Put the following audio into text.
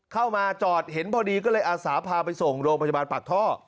เข้ามาจอดเห็นพอดีก็เลยอาสาพาไปส่งโรงพยาบาลปากท่อ